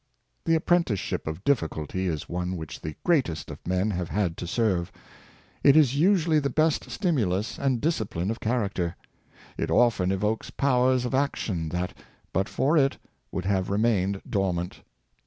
The apprenticeship of difficulty is one which the greatest of men have had to serve. It is usually the best stimulus and discipline of character. It often evokes powers of action that, but for it, would have remained dormant.